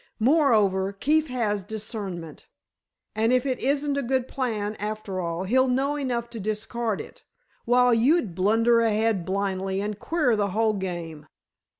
Moreover, Keefe has discernment, and if it isn't a good plan, after all, he'll know enough to discard it—while you'd blunder ahead blindly, and queer the whole game!"